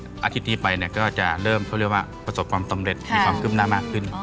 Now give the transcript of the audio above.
อาทิตย์นี้ไปเนี่ยก็จะเริ่มเขาเรียกว่าประสบความสำเร็จมีความขึ้นหน้ามากขึ้น